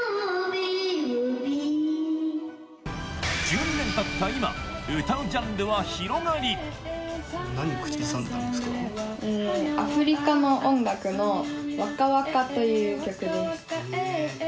１２年たった今歌うジャンルは広がり『ＷａｋａＷａｋａ』という曲です。